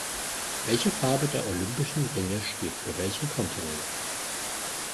Welche Farbe der olympischen Ringe steht für welchen Kontinent?